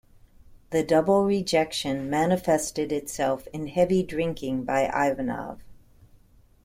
The double rejection manifested itself in heavy drinking by Ivanov.